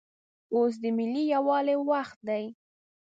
اوس دملي یووالي وخت دی